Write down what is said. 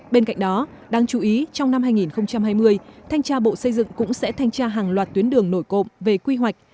bên cạnh đó đáng chú ý trong năm hai nghìn hai mươi thanh tra bộ xây dựng cũng sẽ thanh tra hàng loạt tuyến đường nổi cộng về quy hoạch